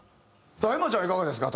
さあエマちゃんいかがですか？